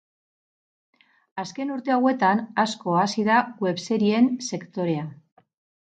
Azken urte hauetan, asko hazi da webserieen sektorea.